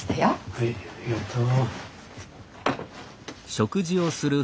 はいありがとう。